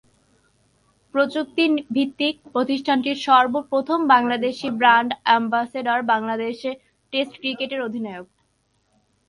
প্রযুক্তি ভিত্তিক প্রতিষ্ঠানটির সর্ব প্রথম Bangladeshi brand ambassador Bangladesh test ক্রিকেটের অধিনায়ক।